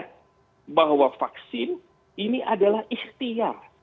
tapi ingat bahwa vaksin ini adalah istiar